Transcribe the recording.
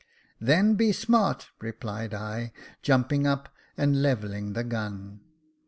Then, be smart," replied I, jumping up and levelling the gun.